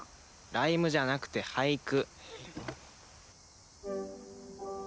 ライムじゃなくて俳句。